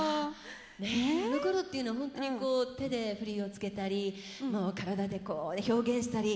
あのころっていうのは本当にこう手で振りをつけたり体でこう表現したりはやってましたよね。